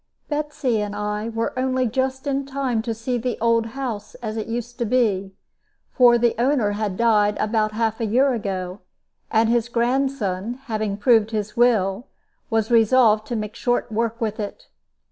Betsy and I were only just in time to see the old house as it used to be; for the owner had died about half a year ago, and his grandson, having proved his will, was resolved to make short work with it.